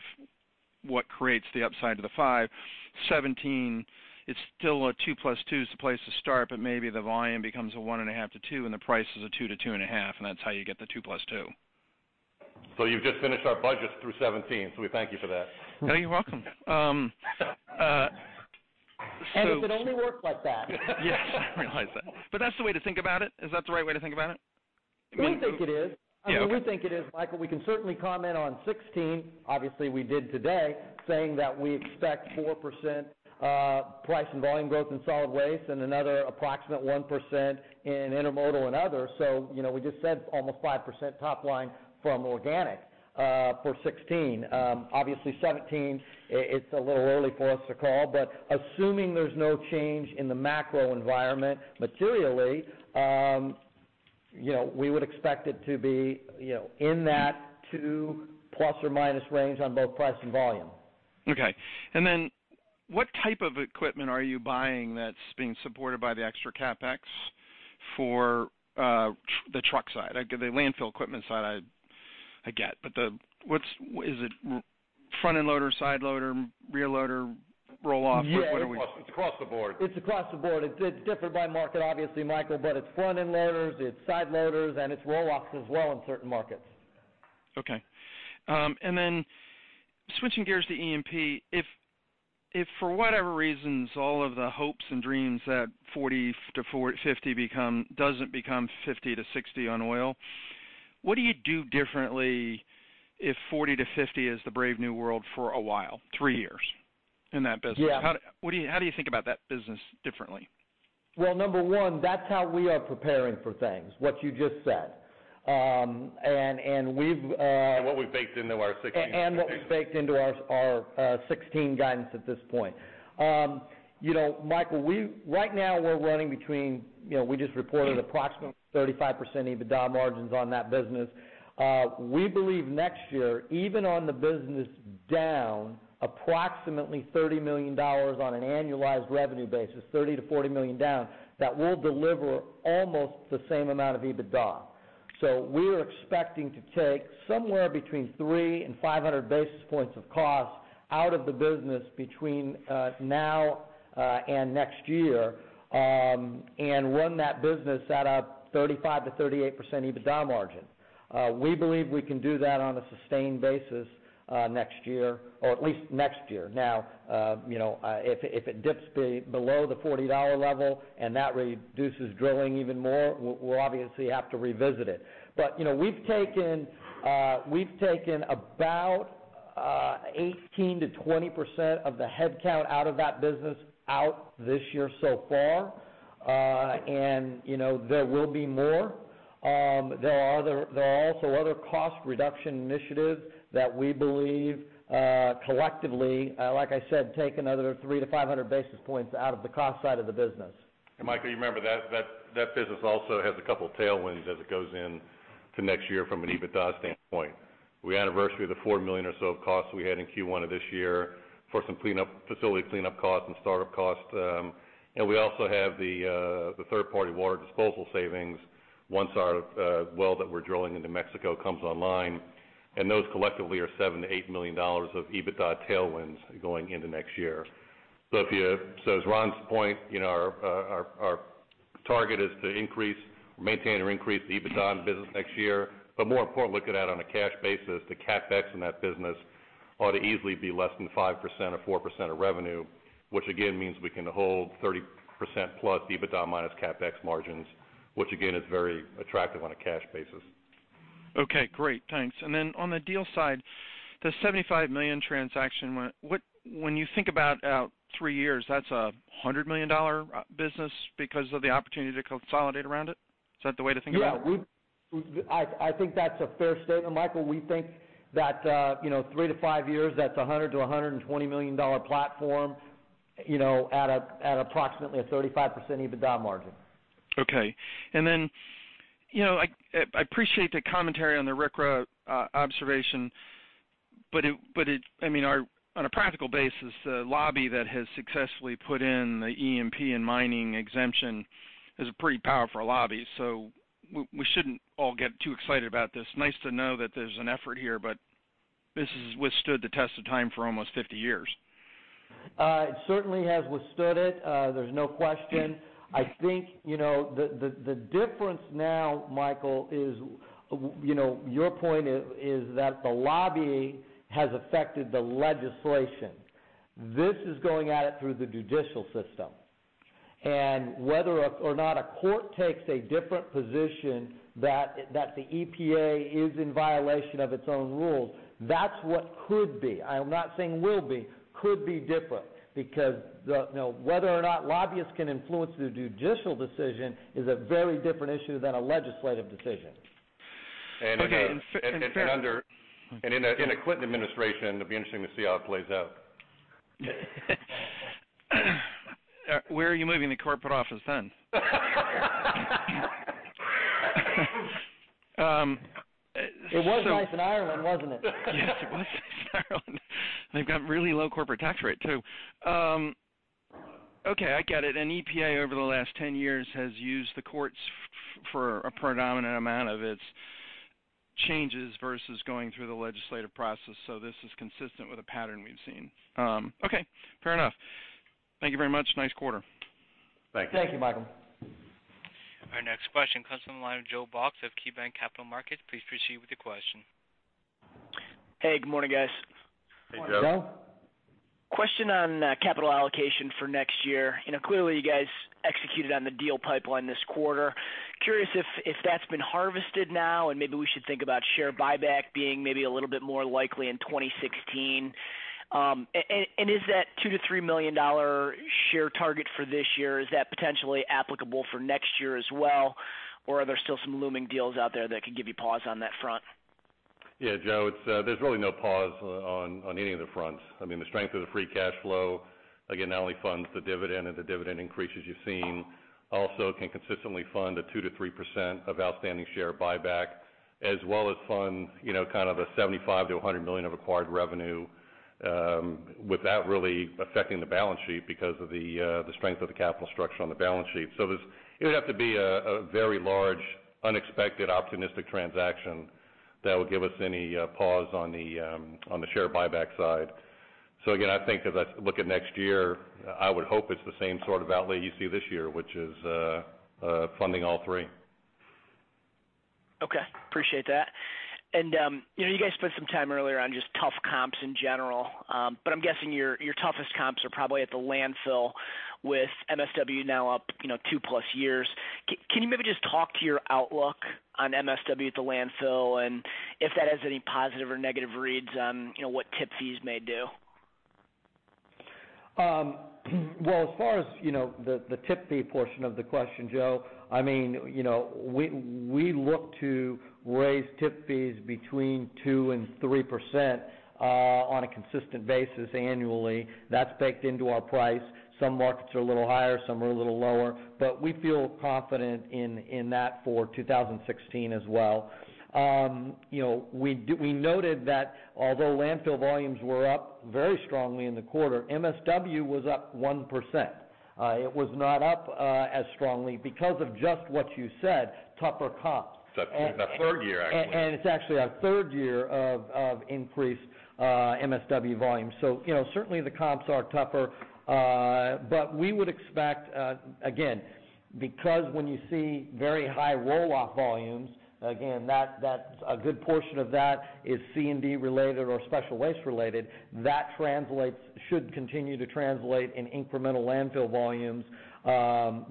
what creates the upside to the 5. 2017, it's still a 2 plus 2 is the place to start, but maybe the volume becomes a 1.5%-2% and the price is a 2%-2.5%, and that's how you get the 2 plus 2. You've just finished our budget through 2017, so we thank you for that. You're welcome. If it only worked like that. Yes, I realize that. That's the way to think about it? Is that the right way to think about it? We think it is. Yeah. I mean, we think it is, Michael. We can certainly comment on 2016. Obviously, we did today, saying that we expect 4% price and volume growth in solid waste and another approximate 1% in intermodal and other. We just said almost 5% top line from organic for 2016. Obviously 2017, it's a little early for us to call, but assuming there's no change in the macro environment materially, we would expect it to be in that two ± range on both price and volume. Okay. What type of equipment are you buying that's being supported by the extra CapEx for the truck side? The landfill equipment side I get. Is it front-end loader, side loader, rear loader, roll-off? Yeah, it's across the board. It's across the board. It's different by market, obviously, Michael, It's front-end loaders, it's side loaders, and it's roll-offs as well in certain markets. Okay. Switching gears to E&P, if for whatever reasons, all of the hopes and dreams that $40-$50 doesn't become $50-$60 on oil, what do you do differently if $40-$50 is the brave new world for a while, three years, in that business? Yeah. How do you think about that business differently? Well, number one, that's how we are preparing for things, what you just said. What we've baked into our 2016 guidance. What we've baked into our 2016 guidance at this point. Michael Hoffman, right now, we're running between we just reported approximately 35% EBITDA margins on that business. We believe next year, even on the business down approximately $30 million on an annualized revenue basis, $30 million-$40 million down, that we'll deliver almost the same amount of EBITDA. We're expecting to take somewhere between 300 and 500 basis points of cost out of the business between now and next year, and run that business at a 35%-38% EBITDA margin. We believe we can do that on a sustained basis next year, or at least next year. Now, if it dips below the $40 level and that reduces drilling even more, we'll obviously have to revisit it. We've taken about 18%-20% of the headcount out of that business out this year so far. There will be more. There are also other cost reduction initiatives that we believe collectively, like I said, take another 300 to 500 basis points out of the cost side of the business. Michael, you remember that business also has a couple of tailwinds as it goes into next year from an EBITDA standpoint. We anniversary the $4 million or so of costs we had in Q1 of this year for some facility cleanup costs and startup costs. We also have the third-party water disposal savings once our well that we're drilling in New Mexico comes online, and those collectively are $7 million to $8 million of EBITDA tailwinds going into next year. To Ron's point, our target is to maintain or increase the EBITDA in business next year. More importantly, look at that on a cash basis. The CapEx in that business ought to easily be less than 5% or 4% of revenue, which again means we can hold 30% plus EBITDA minus CapEx margins, which again, is very attractive on a cash basis. Okay, great. Thanks. On the deal side, the $75 million transaction, when you think about three years, that's a $100 million business because of the opportunity to consolidate around it. Is that the way to think about it? Yeah. I think that's a fair statement, Michael. We think that three to five years, that's a $100 million to $120 million platform, at approximately a 35% EBITDA margin. Okay. I appreciate the commentary on the RCRA observation, but on a practical basis, the lobby that has successfully put in the E&P and mining exemption is a pretty powerful lobby. We shouldn't all get too excited about this. Nice to know that there's an effort here, but this has withstood the test of time for almost 50 years. It certainly has withstood it. There's no question. I think, the difference now, Michael, is your point is that the lobby has affected the legislation. This is going at it through the judicial system. Whether or not a court takes a different position that the EPA is in violation of its own rules, that's what could be. I'm not saying will be, could be different. Whether or not lobbyists can influence the judicial decision is a very different issue than a legislative decision. In a Clinton administration, it'll be interesting to see how it plays out. Where are you moving the corporate office then? It was nice in Ireland, wasn't it? Yes, it was nice in Ireland. They've got really low corporate tax rate, too. Okay, I get it. EPA over the last 10 years has used the courts for a predominant amount of its changes versus going through the legislative process. This is consistent with a pattern we've seen. Okay, fair enough. Thank you very much. Nice quarter. Thank you. Thank you, Michael. Our next question comes from the line of Joe Box of KeyBanc Capital Markets. Please proceed with your question. Hey, good morning, guys. Hey, Joe. Good morning, Joe. Question on capital allocation for next year. Clearly you guys executed on the deal pipeline this quarter. Curious if that's been harvested now and maybe we should think about share buyback being maybe a little bit more likely in 2016. Is that $2 million-$3 million share target for this year, is that potentially applicable for next year as well, or are there still some looming deals out there that could give you pause on that front? Yeah, Joe, there's really no pause on any of the fronts. The strength of the free cash flow, again, not only funds the dividend and the dividend increases you've seen, also can consistently fund a 2%-3% of outstanding share buyback as well as fund kind of a $75 million-$100 million of acquired revenue, without really affecting the balance sheet because of the strength of the capital structure on the balance sheet. It would have to be a very large, unexpected, optimistic transaction that would give us any pause on the share buyback side. Again, I think as I look at next year, I would hope it's the same sort of outlay you see this year, which is funding all three. Okay. Appreciate that. You guys spent some time earlier on just tough comps in general. I'm guessing your toughest comps are probably at the landfill with MSW now up 2+ years. Can you maybe just talk to your outlook on MSW at the landfill, and if that has any positive or negative reads on what tip fees may do? Well, as far as the tip fee portion of the question, Joe, we look to raise tip fees between 2% and 3% on a consistent basis annually. That's baked into our price. Some markets are a little higher, some are a little lower. We feel confident in that for 2016 as well. We noted that although landfill volumes were up very strongly in the quarter, MSW was up 1%. It was not up as strongly because of just what you said, tougher comps. The third year, actually. It's actually our third year of increased MSW volume. Certainly, the comps are tougher. We would expect, again, because when you see very high roll-off volumes, again, a good portion of that is C&D related or special waste related. That should continue to translate in incremental landfill volumes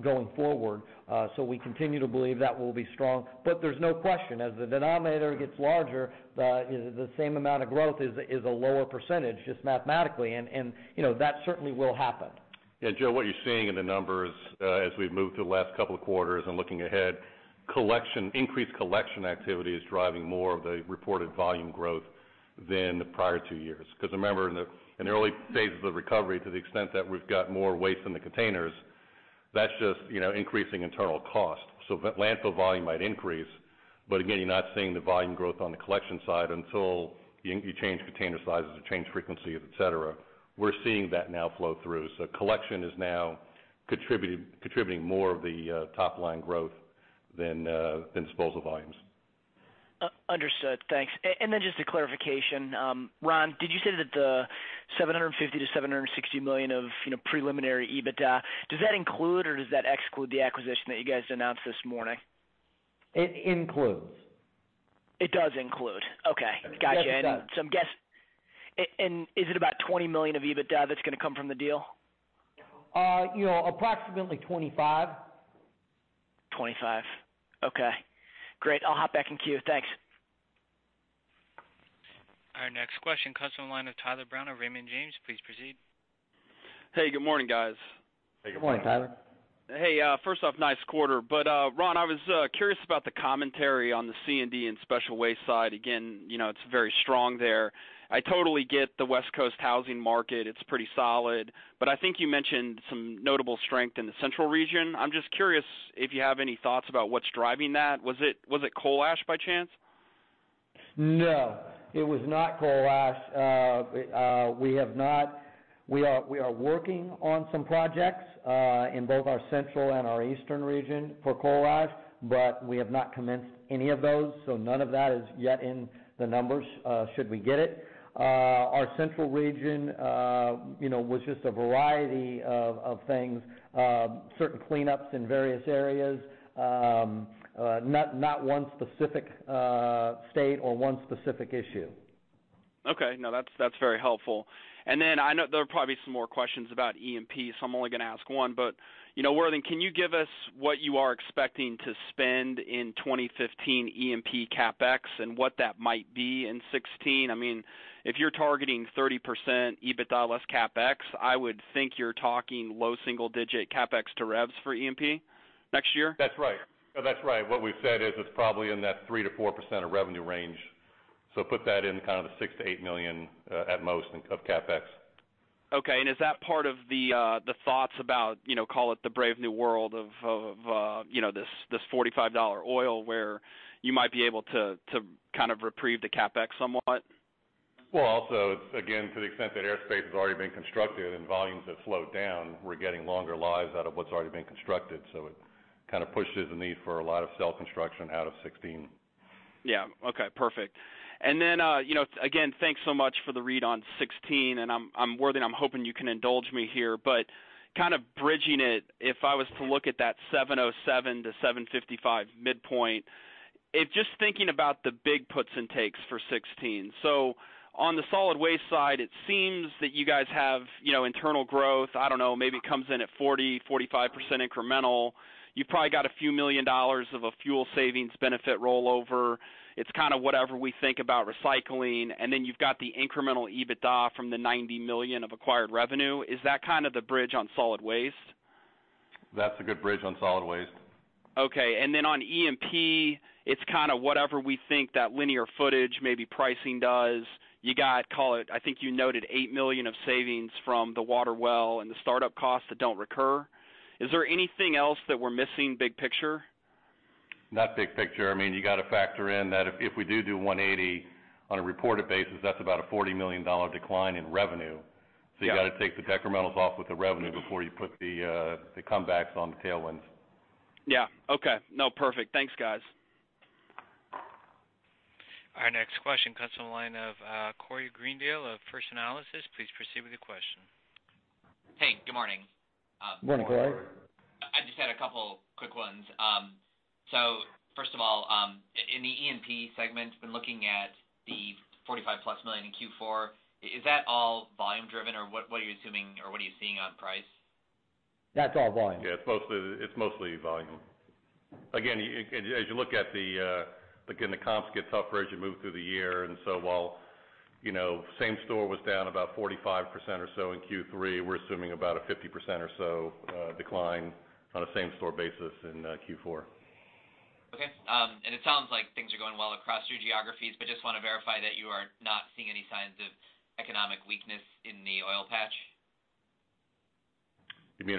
going forward. We continue to believe that will be strong. There's no question, as the denominator gets larger, the same amount of growth is a lower %, just mathematically, and that certainly will happen. Joe, what you're seeing in the numbers, as we've moved through the last couple of quarters and looking ahead, increased collection activity is driving more of the reported volume growth than the prior two years. Remember, in the early phases of recovery, to the extent that we've got more waste in the containers, that's just increasing internal cost. Landfill volume might increase, but again, you're not seeing the volume growth on the collection side until you change container sizes or change frequency, et cetera. We're seeing that now flow through. Collection is now contributing more of the top-line growth than disposal volumes. Understood. Thanks. Just a clarification. Ron, did you say that the $750 million-$760 million of preliminary EBITDA, does that include or does that exclude the acquisition that you guys announced this morning? It includes. It does include. Okay. Yes, it does. Got you. Is it about $20 million of EBITDA that's going to come from the deal? Approximately $25. 25. Okay, great. I'll hop back in queue. Thanks. Our next question comes from the line of Tyler Brown of Raymond James. Please proceed. Hey, good morning, guys. Hey, good morning. Good morning, Tyler. Hey, first off, nice quarter. Ron, I was curious about the commentary on the C&D and special waste side. Again, it's very strong there. I totally get the West Coast housing market. It's pretty solid, but I think you mentioned some notable strength in the central region. I'm just curious if you have any thoughts about what's driving that. Was it coal ash by chance? No, it was not coal ash. We are working on some projects in both our central and our eastern region for coal ash, but we have not commenced any of those, so none of that is yet in the numbers should we get it. Our central region was just a variety of things, certain cleanups in various areas. Not one specific state or one specific issue. Okay. No, that's very helpful. Then I know there are probably some more questions about E&P, I'm only going to ask one, but Worthing, can you give us what you are expecting to spend in 2015 E&P CapEx and what that might be in 2016? If you're targeting 30% EBITDA less CapEx, I would think you're talking low single digit CapEx to revs for E&P next year. That's right. What we've said is it's probably in that 3%-4% of revenue range. Put that in kind of the $6 million-$8 million at most of CapEx. Okay. Is that part of the thoughts about, call it the brave new world of this $45 oil where you might be able to reprieve the CapEx somewhat? Also, again, to the extent that airspace has already been constructed and volumes have slowed down, we're getting longer lives out of what's already been constructed, it kind of pushes the need for a lot of self-construction out of 2016. Yeah. Okay, perfect. Then again, thanks so much for the read on 2016. Worthington, I'm hoping you can indulge me here, kind of bridging it, if I was to look at that $707 million-$755 million midpoint, just thinking about the big puts and takes for 2016. On the solid waste side, it seems that you guys have internal growth. I don't know, maybe it comes in at 40%-45% incremental. You probably got a few million dollars of a fuel savings benefit rollover. It's kind of whatever we think about recycling, then you've got the incremental EBITDA from the $90 million of acquired revenue. Is that kind of the bridge on solid waste? That's a good bridge on solid waste. On E&P, it's kind of whatever we think that linear footage, maybe pricing does. You got, call it, I think you noted $8 million of savings from the water well and the startup costs that don't recur. Is there anything else that we're missing big picture? Not big picture. You got to factor in that if we do $180 on a reported basis, that's about a $40 million decline in revenue. Yeah. You got to take the decrementals off with the revenue before you put the comebacks on the tailwinds. Yeah. Okay. No, perfect. Thanks, guys. Our next question comes from the line of Corey Greendale of First Analysis. Please proceed with your question. Hey, good morning. Good morning, Corey. First of all, in the E&P segment, been looking at the $45+ million in Q4. Is that all volume driven or what are you assuming or what are you seeing on price? That's all volume. Yeah, it's mostly volume. Again, as you look at the comps get tougher as you move through the year, and so while same store was down about 45% or so in Q3, we're assuming about a 50% or so decline on a same store basis in Q4. Okay. It sounds like things are going well across your geographies, but just want to verify that you are not seeing any signs of economic weakness in the oil patch. You mean?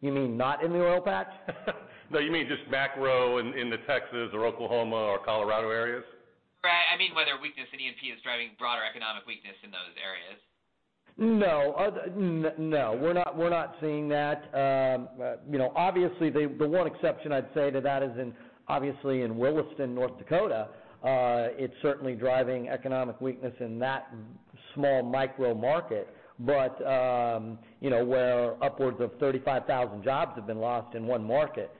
You mean not in the oil patch? No, you mean just macro into Texas or Oklahoma or Colorado areas? Right. I mean, whether weakness in E&P is driving broader economic weakness in those areas? No. We're not seeing that. The one exception I'd say to that is obviously in Williston, North Dakota. It's certainly driving economic weakness in that small micro market where upwards of 35,000 jobs have been lost in one market.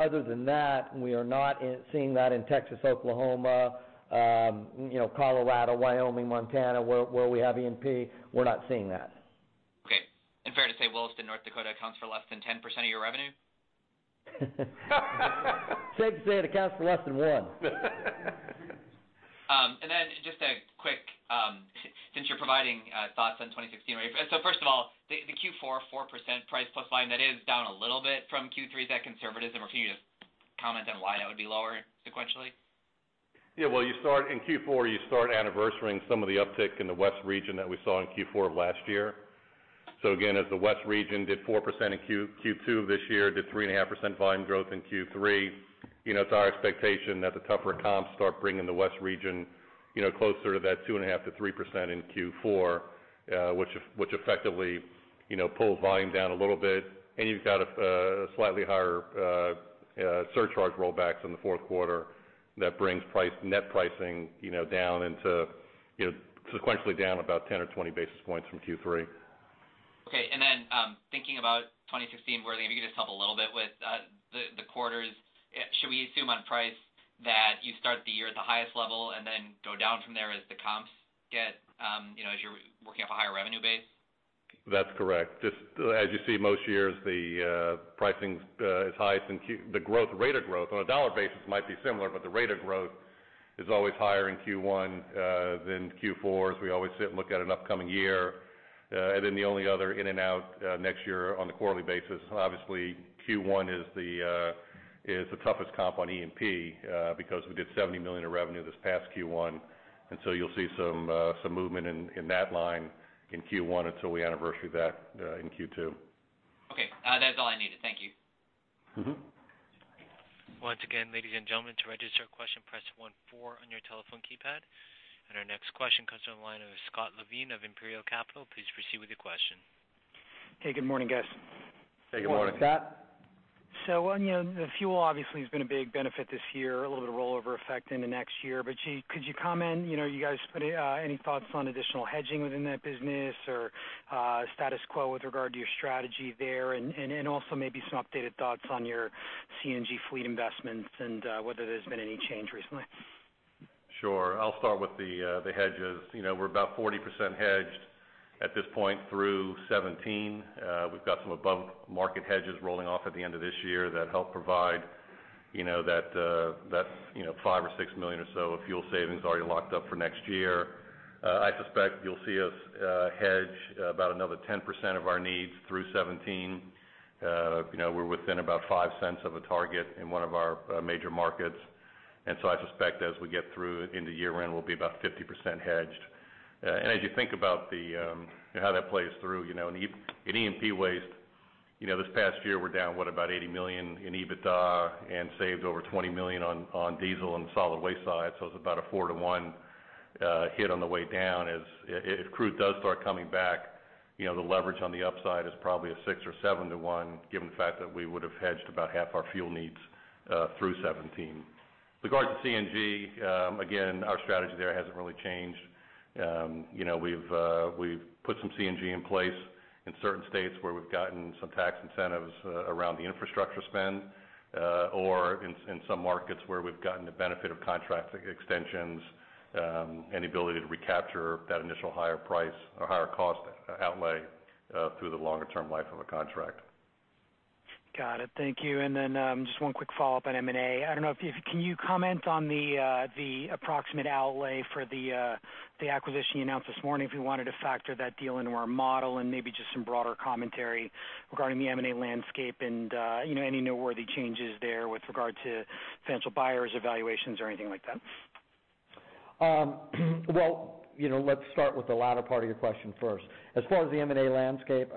Other than that, we are not seeing that in Texas, Oklahoma, Colorado, Wyoming, Montana, where we have E&P. We're not seeing that. Okay. Fair to say Williston, North Dakota accounts for less than 10% of your revenue? Safe to say it accounts for less than one. Just a quick, since you're providing thoughts on 2016. First of all, the Q4, 4% price plus volume, that is down a little bit from Q3. Is that conservatism, or can you just comment on why that would be lower sequentially? Yeah. Well, in Q4, you start anniversarying some of the uptick in the West region that we saw in Q4 of last year. Again, as the West region did 4% in Q2 this year, did 3.5% volume growth in Q3. It's our expectation that the tougher comps start bringing the West region closer to that 2.5%-3% in Q4 which effectively pulls volume down a little bit. You've got a slightly higher surcharge rollbacks in the fourth quarter that brings net pricing sequentially down about 10 or 20 basis points from Q3. Okay. Then, thinking about 2016, where, again, if you could just help a little bit with the quarters. Should we assume on price that you start the year at the highest level and then go down from there as the comps get, as you're working off a higher revenue base? That's correct. Just as you see most years, the pricing is highest, the rate of growth on a dollar basis might be similar, but the rate of growth is always higher in Q1 than Q4, as we always sit and look at an upcoming year. Then the only other in and out next year on a quarterly basis, obviously Q1 is the toughest comp on E&P because we did $70 million of revenue this past Q1. So you'll see some movement in that line in Q1 until we anniversary that in Q2. Okay. That's all I needed. Thank you. Once again, ladies and gentlemen, to register a question, press 14 on your telephone keypad. Our next question comes from the line of Scott Levine of Imperial Capital. Please proceed with your question. Hey, good morning, guys. Hey, good morning, Scott. Good morning. The fuel obviously has been a big benefit this year, a little bit of rollover effect into next year. Could you comment, you guys put any thoughts on additional hedging within that business or status quo with regard to your strategy there? Also maybe some updated thoughts on your CNG fleet investments and whether there's been any change recently. Sure. I'll start with the hedges. We're about 40% hedged at this point through 2017. We've got some above-market hedges rolling off at the end of this year that help provide that $5 million or $6 million or so of fuel savings already locked up for next year. I suspect you'll see us hedge about another 10% of our needs through 2017. We're within about $0.05 of a target in one of our major markets. I suspect as we get through into year-end, we'll be about 50% hedged. As you think about how that plays through, in E&P Waste, this past year we're down, what, about $80 million in EBITDA and saved over $20 million on diesel on the solid waste side. It's about a 4 to 1 hit on the way down. If crude does start coming back, the leverage on the upside is probably a 6 or 7 to 1, given the fact that we would've hedged about half our fuel needs through 2017. With regard to CNG, again, our strategy there hasn't really changed. We've put some CNG in place in certain states where we've gotten some tax incentives around the infrastructure spend, or in some markets where we've gotten the benefit of contract extensions and ability to recapture that initial higher price or higher cost outlay through the longer term life of a contract. Got it. Thank you. Just one quick follow-up on M&A. Can you comment on the approximate outlay for the acquisition you announced this morning if we wanted to factor that deal into our model, and maybe just some broader commentary regarding the M&A landscape and any noteworthy changes there with regard to potential buyers, evaluations or anything like that? Well, let's start with the latter part of your question first. As far as the M&A landscape,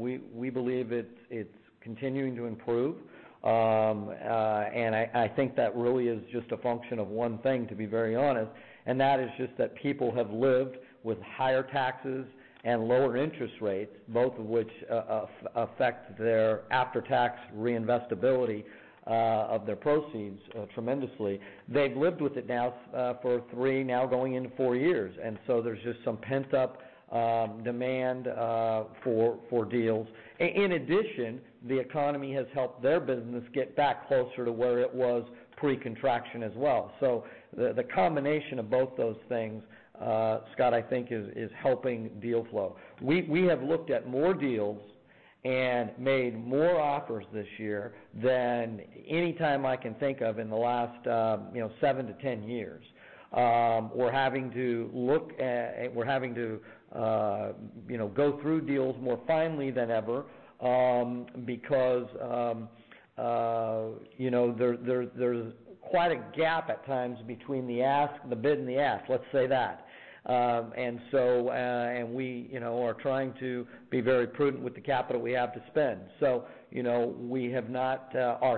we believe it's continuing to improve. I think that really is just a function of one thing, to be very honest. That is just that people have lived with higher taxes and lower interest rates, both of which affect their after-tax reinvestibility of their proceeds tremendously. They've lived with it now for three, now going into four years, there's just some pent-up demand for deals. In addition, the economy has helped their business get back closer to where it was pre-contraction as well. The combination of both those things, Scott, I think is helping deal flow. We have looked at more deals and made more offers this year than any time I can think of in the last seven to 10 years. We're having to go through deals more finely than ever because there's quite a gap at times between the ask, the bid, and the ask, let's say that. We are trying to be very prudent with the capital we have to spend. Our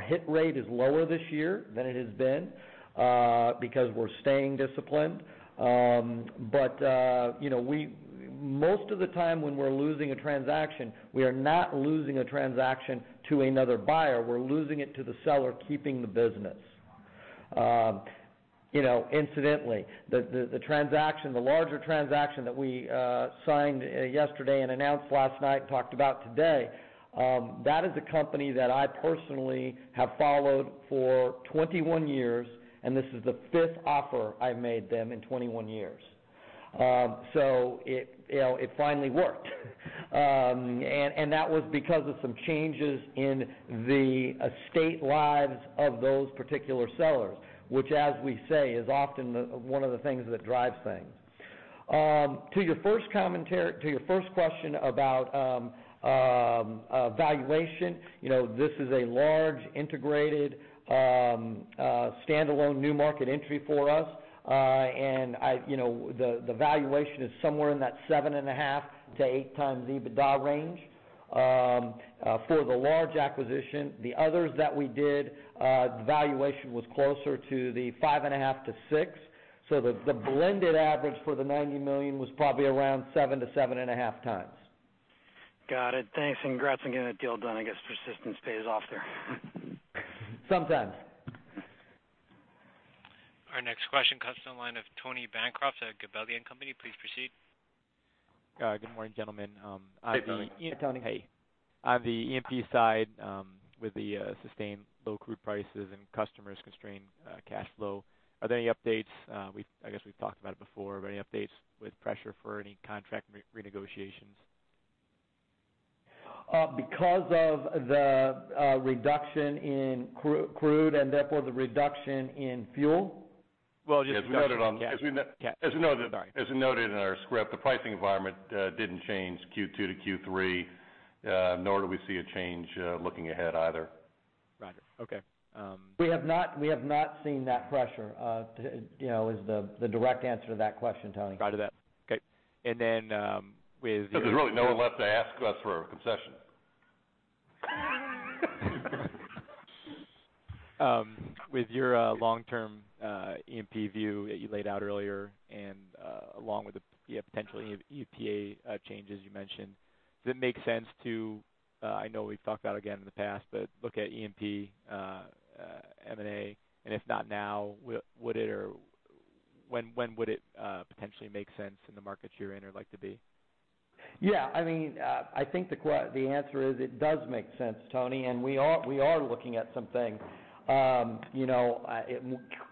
hit rate is lower this year than it has been because we're staying disciplined. Most of the time when we're losing a transaction, we are not losing a transaction to another buyer. We're losing it to the seller keeping the business. Incidentally, the larger transaction that we signed yesterday and announced last night, talked about today, that is a company that I personally have followed for 21 years, this is the fifth offer I've made them in 21 years. It finally worked. That was because of some changes in the estate lives of those particular sellers, which as we say, is often one of the things that drives things. To your first question about valuation, this is a large, integrated, standalone new market entry for us. The valuation is somewhere in that seven and a half to eight times EBITDA range for the large acquisition. The others that we did, the valuation was closer to the five and a half to six. The blended average for the $90 million was probably around seven to seven and a half times. Got it. Thanks, and congrats on getting that deal done. I guess persistence pays off there. Sometimes. Our next question comes to the line of Tony Bancroft at Gabelli & Company. Please proceed. Good morning, gentlemen. Hey, Tony. Hey, Tony. Hey. On the E&P side, with the sustained low crude prices and customers constrained cash flow, are there any updates? I guess we've talked about it before, any updates with pressure for any contract renegotiations? Of the reduction in crude and therefore the reduction in fuel? Well, as we noted in our script, the pricing environment didn't change Q2 to Q3, nor do we see a change looking ahead either. Roger. Okay. We have not seen that pressure, is the direct answer to that question, Tony. Roger that. Okay. There's really no one left to ask us for a concession. With your long-term E&P view that you laid out earlier and along with the potential EPA changes you mentioned, does it make sense to, I know we've talked about it again in the past, but look at E&P M&A, and if not now, when would it potentially make sense in the markets you're in or like to be? Yeah. I think the answer is it does make sense, Tony, we are looking at some things.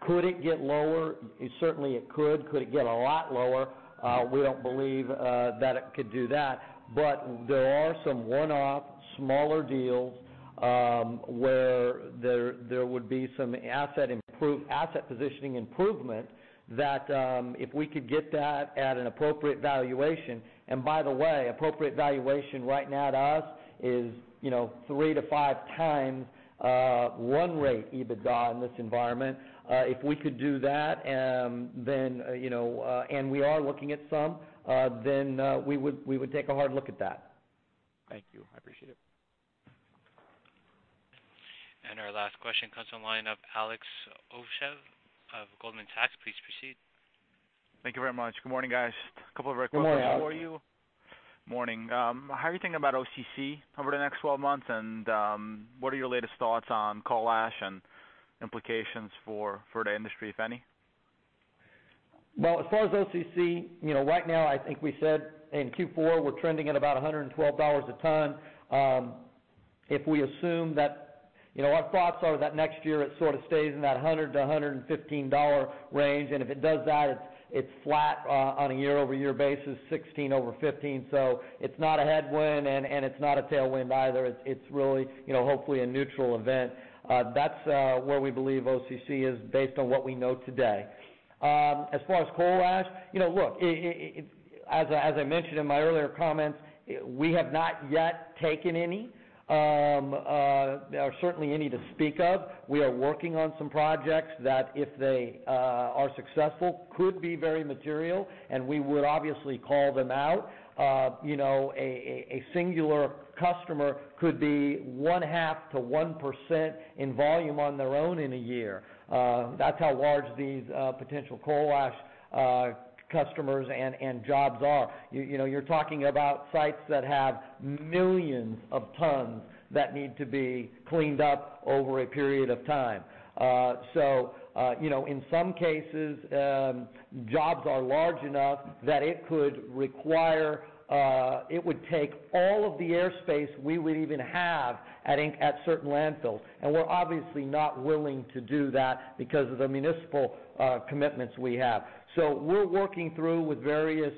Could it get lower? Certainly, it could. Could it get a lot lower? We don't believe that it could do that, but there are some one-off, smaller deals, where there would be some asset positioning improvement that if we could get that at an appropriate valuation. By the way, appropriate valuation right now to us is 3 to 5 times run rate EBITDA in this environment. If we could do that, and we are looking at some, we would take a hard look at that. Thank you. I appreciate it. Our last question comes from the line of Alex Ovchinnikov of Goldman Sachs. Please proceed. Thank you very much. Good morning, guys. Couple of very quick ones for you. Morning. Morning. How are you thinking about OCC over the next 12 months, and what are your latest thoughts on coal ash and implications for the industry, if any? Well, as far as OCC, right now, I think we said in Q4, we're trending at about $112 a ton. Our thoughts are that next year it sort of stays in that $100-$115 range, if it does that, it's flat on a year-over-year basis, 2016 over 2015. It's not a headwind, it's not a tailwind either. It's really, hopefully a neutral event. That's where we believe OCC is based on what we know today. As far as coal ash, look, as I mentioned in my earlier comments, we have not yet taken any, or certainly any to speak of. We are working on some projects that if they are successful, could be very material, and we would obviously call them out. A singular customer could be one half to 1% in volume on their own in a year. That's how large these potential coal ash customers and jobs are. You're talking about sites that have millions of tons that need to be cleaned up over a period of time. In some cases, jobs are large enough that it would take all of the airspace we would even have at certain landfills, we're obviously not willing to do that because of the municipal commitments we have. We're working through with various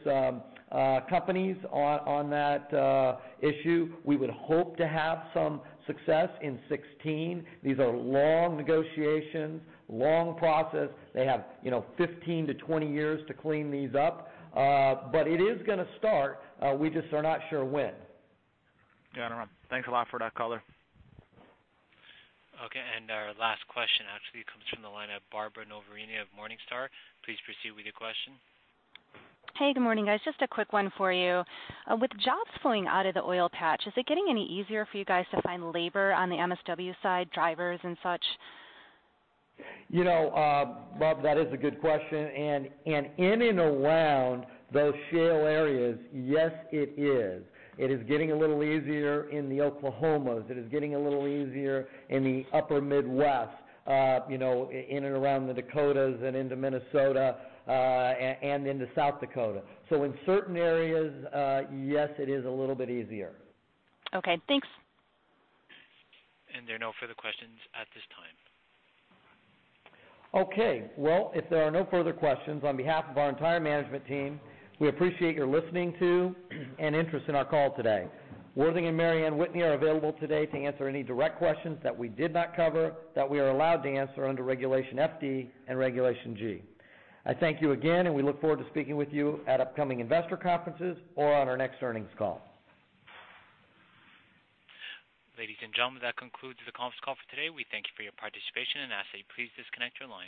companies on that issue. We would hope to have some success in 2016. These are long negotiations, long process. They have 15-20 years to clean these up. It is going to start. We just are not sure when. Got it. Thanks a lot for that color. Okay, our last question actually comes from the line of Barbara Noverini of Morningstar. Please proceed with your question. Hey, good morning, guys. Just a quick one for you. With jobs flowing out of the oil patch, is it getting any easier for you guys to find labor on the MSW side, drivers and such? Barb, that is a good question. In and around those shale areas, yes, it is. It is getting a little easier in the Oklahomas. It is getting a little easier in the upper Midwest, in and around the Dakotas and into Minnesota, and into South Dakota. In certain areas, yes, it is a little bit easier. Okay, thanks. There are no further questions at this time. Okay. Well, if there are no further questions, on behalf of our entire management team, we appreciate your listening to and interest in our call today. Worthing and Mary Ann Whitney are available today to answer any direct questions that we did not cover that we are allowed to answer under Regulation FD and Regulation G. I thank you again, and we look forward to speaking with you at upcoming investor conferences or on our next earnings call. Ladies and gentlemen, that concludes the conference call for today. We thank you for your participation and ask that you please disconnect your lines.